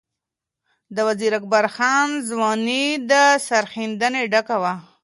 د وزیر اکبر خان ځواني د سرښندنې ډکه وه.